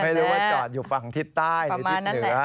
หรือว่าจอดอยู่ฝั่งทิศใต้หรือทิศเหนือ